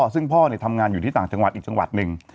ซึ่งพ่อทำงานอยู่ที่ต่างจังหวัดอีกจังหวัดหนึ่ง